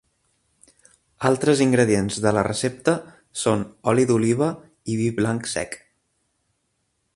Altres ingredients de la recepta són oli d'oliva i vi blanc sec.